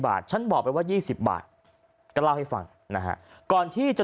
บาทฉันบอกไปว่า๒๐บาทก็เล่าให้ฟังนะฮะก่อนที่จะ